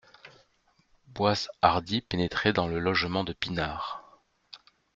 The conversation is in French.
Boishardy pénétrait dans le logement de Pinard.